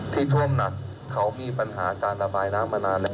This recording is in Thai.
ที่ท่วมหนักเขามีปัญหาการระบายน้ำมานานแล้ว